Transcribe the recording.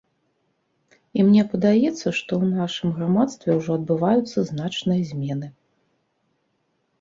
І мне падаецца, што ў нашым грамадстве ўжо адбываюцца значныя змены.